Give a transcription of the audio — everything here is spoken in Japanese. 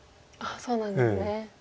そうなんですね。